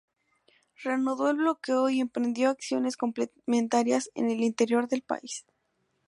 Reanudó el bloqueo y emprendió acciones complementarias en el interior del país.